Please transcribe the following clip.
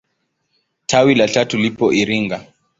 Tawi la tatu lipo Iringa.